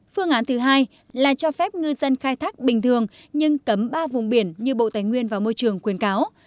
phương án thứ hai là cho phép ngư dân khai thác bình thường nhưng cấm ba vùng biển như bộ tài nguyên và môi trường khuyến cáo